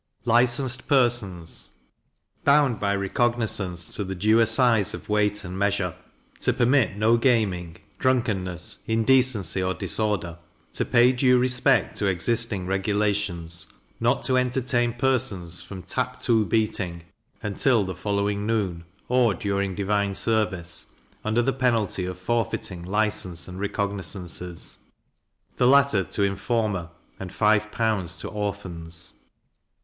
Licenced Persons bound by recognizance to the due assize of weight and measure; to permit no gaming, drunkenness, indecency, or disorder; to pay due respect to existing regulations; not to entertain persons from tap too beating until the following noon, or during divine service, under the penalty of forfeiting licence and recognizances; the latter to informer, and five pounds to Orphans.